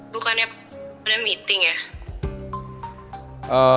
bukannya ada meeting ya